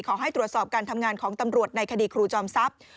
ขอให้ตรวจสอบการทำงานของตำรวจในคดีครูจอมทรัพย์